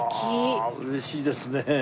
うわ嬉しいですね。